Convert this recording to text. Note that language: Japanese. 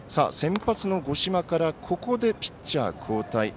先発の五島からここでピッチャー交代。